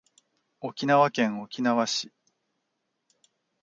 沖縄県沖縄市